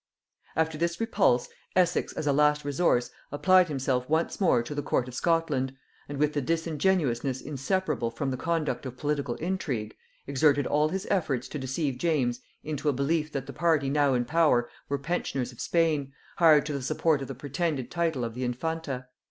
] After this repulse, Essex as a last resource applied himself once more to the court of Scotland, and, with the disingenuousness inseparable from the conduct of political intrigue, exerted all his efforts to deceive James into a belief that the party now in power were pensioners of Spain, hired to the support of the pretended title of the Infanta.